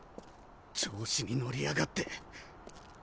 調子に乗りやがって。